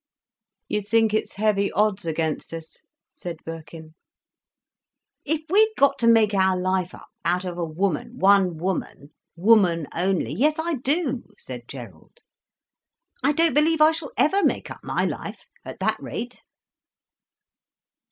"You think its heavy odds against us?" said Birkin. "If we've got to make our life up out of a woman, one woman, woman only, yes, I do," said Gerald. "I don't believe I shall ever make up my life, at that rate."